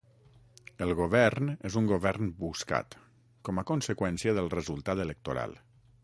El govern és un govern buscat, com a conseqüència del resultat electoral.